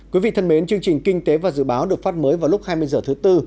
quý vị thân mến chương trình kinh tế và dự báo được phát mới vào lúc hai mươi h thứ tư